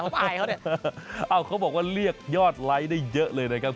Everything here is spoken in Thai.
เขาบอกว่าเรียกยอดไลค์ได้เยอะเลยนะครับ